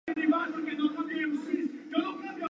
El programa se desarrolla en el entorno natural de una granja.